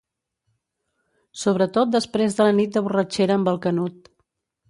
Sobretot després de la nit de borratxera amb el Canut.